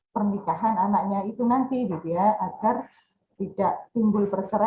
pernikahan anaknya itu nanti agar tidak timbul bercerai